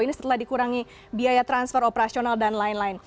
ini setelah dikurangi biaya transfer operasional dan lain lain